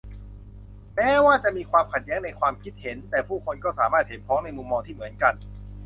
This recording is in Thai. แม้ว่าจะมีความขัดแย้งในความคิดเห็น แต่ผู้คนก็สามารถเห็นพ้องในมุมมองที่เหมือนกัน